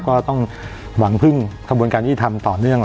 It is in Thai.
ก็ต้องหวังผึ้งทะบวนการที่ท่ำต่อเนื่อง